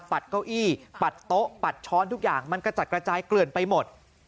เก้าอี้ปัดโต๊ะปัดช้อนทุกอย่างมันกระจัดกระจายเกลื่อนไปหมด